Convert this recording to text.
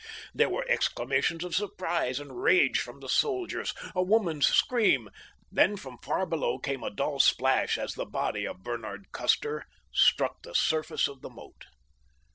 There were exclamations of surprise and rage from the soldiers—a woman's scream. Then from far below came a dull splash as the body of Bernard Custer struck the surface of the moat.